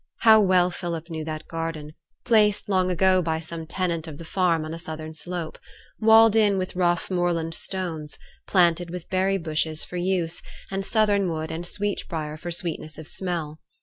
How well Philip knew that garden; placed long ago by some tenant of the farm on a southern slope; walled in with rough moorland stones; planted with berry bushes for use, and southernwood and sweet briar for sweetness of smell.